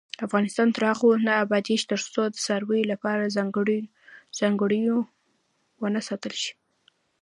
افغانستان تر هغو نه ابادیږي، ترڅو د څارویو لپاره څړځایونه وساتل نشي.